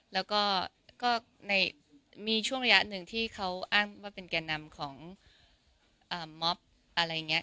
แล้วก็ก็ในมีช่วงระยะหนึ่งที่เขาอ้างว่าเป็นแก่นำของอ่าอะไรเงี้ย